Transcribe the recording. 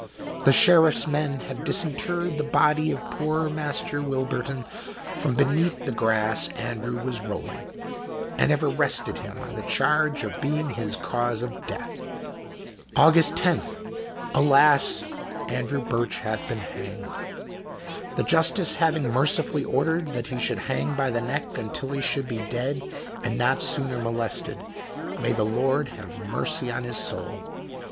The Sheriff's men have disinterred the body of poor Master W. from beneath the grass Andrew was 15 &HOST TALES. rolling, and have arrested him on the charge of being his cause of death. Aug. 10. — ^Alas! Andrew Birch hath been hanged, the Justice having mercifully ordered that he should hang by the neck until he should be dead, and not sooner molested. May the Lord have mercy on his soul.